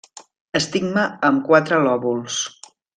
Estigma amb quatre lòbuls.